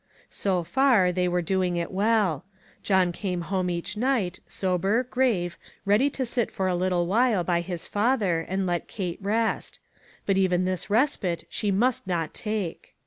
So fur, they were doing it well. John came home each night, sober, grave, ready to sit for a while by his father, and let Kate rest. But even this respite she must not take."